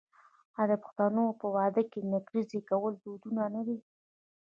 آیا د پښتنو په واده کې نکریزې کول دود نه دی؟